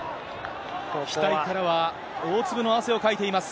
額からは大粒の汗をかいています。